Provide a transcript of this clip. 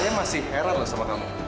saya masih heran lah sama kamu